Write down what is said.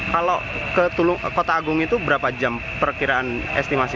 kalau ke kota agung itu berapa jam perkiraan estimasi